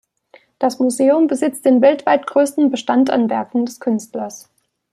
Das Museum besitzt den weltweit größten Bestand an Werken des Künstlers.